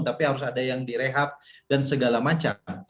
tapi harus ada yang direhab dan segala macam